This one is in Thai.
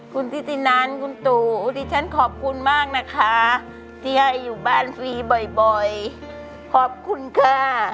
คุณทิตินันคุณตู่ดิฉันขอบคุณมากนะคะที่ให้อยู่บ้านฟรีบ่อยขอบคุณค่ะ